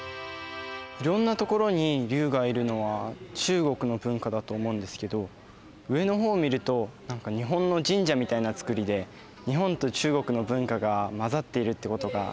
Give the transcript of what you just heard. いろんなところに龍がいるのは中国の文化だと思うんですけど上の方を見ると何か日本の神社みたいな造りで日本と中国の文化が混ざっているってことがよく分かります。